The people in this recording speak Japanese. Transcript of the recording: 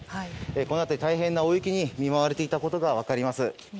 この辺り大変な大雪に見舞われていたことが分かります。